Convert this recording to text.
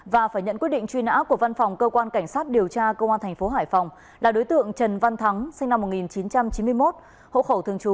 và phải nhận quyết định truy nã của văn phòng cơ quan cảnh sát điều tra công an tp hải phòng